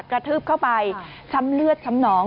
กระทืบเข้าไปช้ำเลือดช้ำหนอง